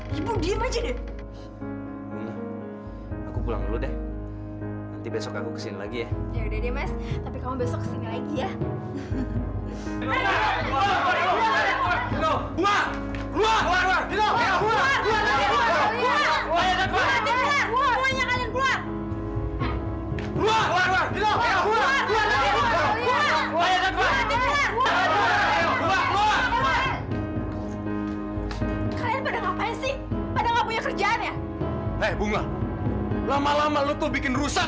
keluar kalian pada ngapain sih pada nggak punya kerjaan ya eh bunga lama lama lu tuh bikin rusak